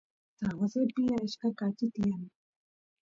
San Josepi achka kachi tiyan